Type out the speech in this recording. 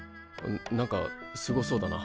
何かすごそうだな。